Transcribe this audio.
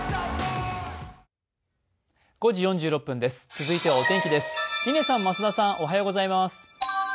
続いてはお天気です。